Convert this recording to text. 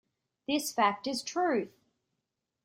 This fact is truth!